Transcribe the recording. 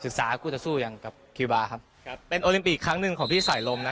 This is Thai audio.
คู่ต่อสู้อย่างกับคิวบาร์ครับครับเป็นโอลิมปิกครั้งหนึ่งของพี่สายลมนะ